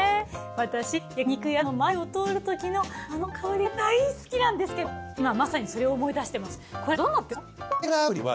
私焼き肉屋さんの前を通るときのあの香りが大好きなんですけど今まさにそれを思い出してます。